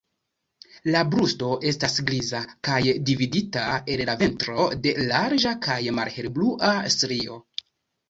La brusto estas griza, kaj dividita el la ventro de larĝa kaj malhelblua strio.